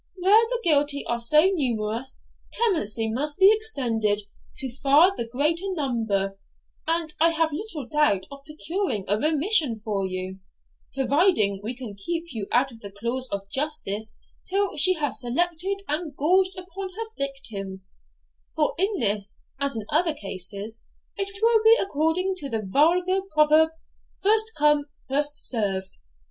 Where the guilty are so numerous, clemency must be extended to far the greater number; and I have little doubt of procuring a remission for you, providing we can keep you out of the claws of justice till she has selected and gorged upon her victims; for in this, as in other cases, it will be according to the vulgar proverb, "First come, first served."